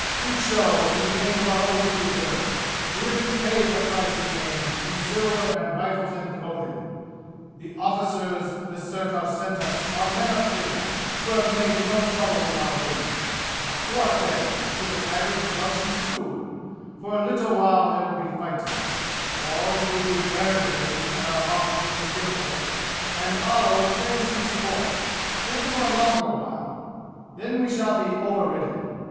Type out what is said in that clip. We chose, and we ate of our own free will. We have been paid the price we named, in silver and rifles and clothing. The arrficers the sirkar sent us are men of faith who have made no trouble with our women. What, then, should the Khyber jezailchis do? For a little while there will be fighting or, if we be very brave and our arrficers skillful, and Allah would fain see sport, then for a longer while. Then we shall be overridden.